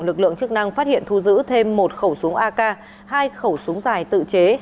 lực lượng chức năng phát hiện thu giữ thêm một khẩu súng ak hai khẩu súng dài tự chế